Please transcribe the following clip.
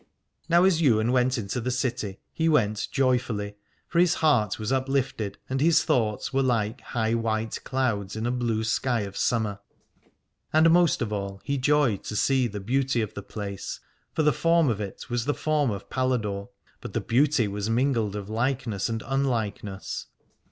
Now as Ywain went into the city he went joyfully, for his heart was uplifted, and his thoughts were like high white clouds in a blue sky of summer. And most of all he joyed to see the beauty of the place, for the form of it was the form of Paladore, but the beauty was mingled of likeness and unlike ness.